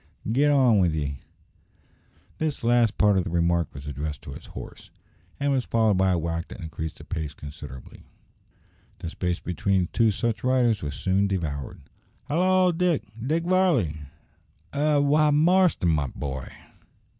git on with ye!" This last part of the remark was addressed to his horse, and was followed by a whack that increased the pace considerably. The space between two such riders was soon devoured. "Hallo! Dick Dick Varley!" "Eh! why, Marston, my boy!"